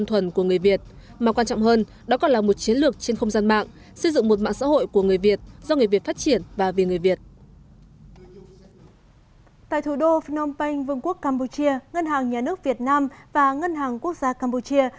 tại thủ đô phnom penh vương quốc campuchia ngân hàng nhà nước việt nam và ngân hàng quốc gia campuchia